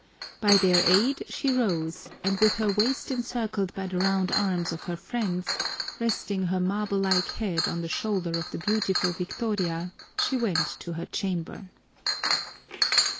By their aid she rose, and with her waist encircled by the round arms of her friends, resting her marble like head on the shoulder of the beautiful Victoria, she went to her chamber.